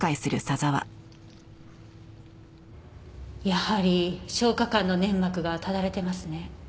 やはり消化管の粘膜がただれてますね。